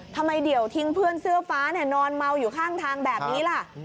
ทำไมเดี่ยวทิ้งเพื่อนเสื้อฟ้านอนเมาอยู่ข้างทางแบบนี้ล่ะ